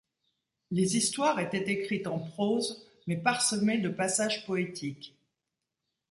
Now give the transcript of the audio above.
Les histoires étaient écrites en prose, mais parsemées de passages poétiques.